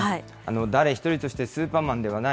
誰一人としてスーパーマンではない。